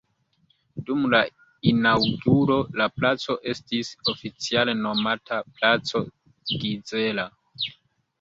Dum la inaŭguro la placo estis oficiale nomata placo Gizella.